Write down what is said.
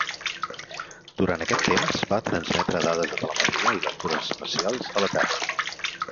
Durant aquest temps, va transmetre dades de telemetria i lectures espacials a la Terra.